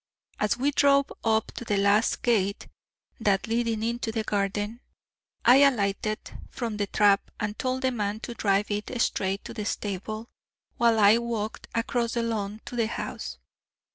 As we drove up to the last gate that leading into the garden I alighted from the trap and told the man to drive it straight to the stable, while I walked across the lawn to the house.